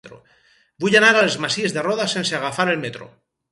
Vull anar a les Masies de Roda sense agafar el metro.